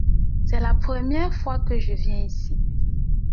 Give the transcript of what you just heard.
C’est la première fois que je viens ici.